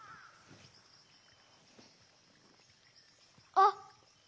あっ！